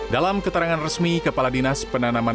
dalam keterangan resmi kepala dinas penanaman